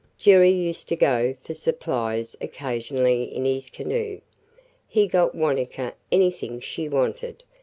Jerry used to go for supplies occasionally in his canoe. He got Wanetka anything she wanted.